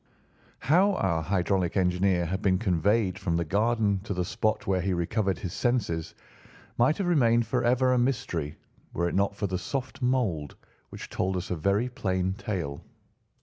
How our hydraulic engineer had been conveyed from the garden to the spot where he recovered his senses might have remained forever a mystery were it not for the soft mould, which told us a very plain tale.